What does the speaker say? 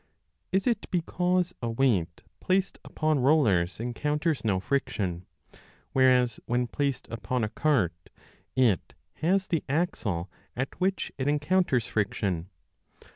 Is it because a weight placed upon rollers encounters no friction, whereas when placed upon a cart it has the axle at which it en counters friction